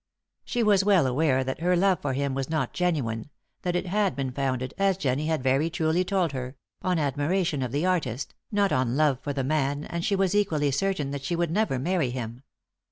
She was well aware that her love for him was not genuine, that it had been founded as Jennie had very truly told her on admiration for the artist, not on love for the man and she was equally certain that she would never marry him.